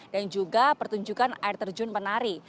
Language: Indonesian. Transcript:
dan juga pertunjukan air terjun penari